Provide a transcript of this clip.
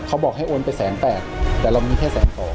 เขาบอกให้โอนไปแสนแปดแต่เรามีแค่๑๒๐๐